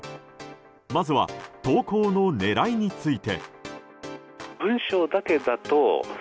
まずは、投稿の狙いについて。